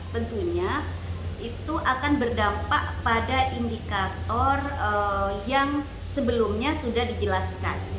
tentunya itu akan berdampak pada indikator yang sebelumnya sudah dijelaskan